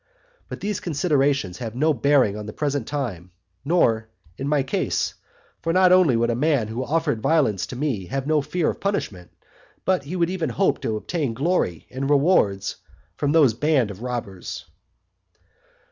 But these considerations have no bearing on the present time, nor in my case; for not only would a man who offered violence to me have no fear of punishment, but he would even hope to obtain glory and rewards from those bands of robbers.